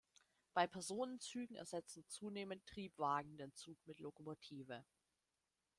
Bei Personenzügen ersetzen zunehmend Triebwagen den Zug mit Lokomotive.